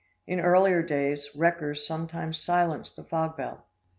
In earlier days, wreckers sometimes silenced the fog bell.